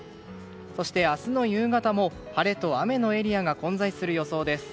そして、明日の夕方も晴れと雨のエリアが混在する予想です。